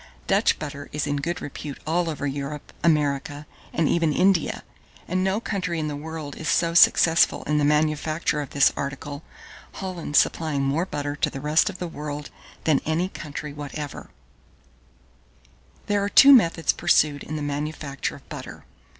Dutch butter is in good repute all over Europe, America, and even India; and no country in the world is so successful in the manufacture of this article, Holland supplying more butter to the rest of the world than any country whatever. 1619. There are two methods pursued in the manufacture of butter.